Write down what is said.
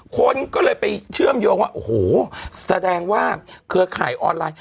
คนก็เลยไปเชื่อมโยงว่าโอ้โหแสดงว่าเครือข่ายออนไลน์